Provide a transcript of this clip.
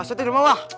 saya terima wak